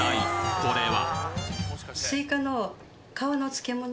これは？